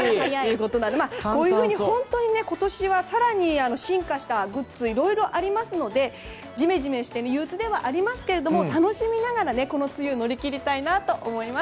こういうふうに今年は更に進化したグッズがいろいろありますのでジメジメしてゆううつではありますが楽しみながら梅雨を乗り切りたいと思います。